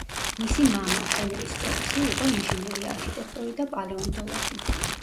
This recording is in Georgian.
მისი მამა, ჰენრი სტოპსი, იყო ინჟინერი, არქიტექტორი და პალეონტოლოგი.